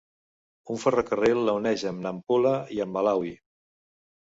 Un ferrocarril la uneix amb Nampula i amb Malawi.